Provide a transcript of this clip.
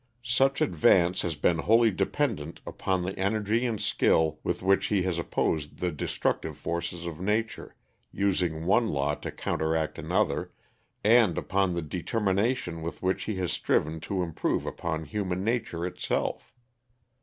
Such advance has been wholly dependent upon the energy and skill with which he has opposed the destructive forces of nature, using one law to counteract another, and upon the determination with which he has striven to improve upon human nature itself.